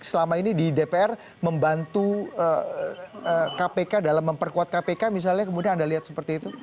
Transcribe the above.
selama ini di dpr membantu kpk dalam memperkuat kpk misalnya kemudian anda lihat seperti itu